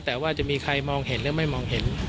แต่ว่าจะมีใครมองเห็นหรือไม่มองเห็น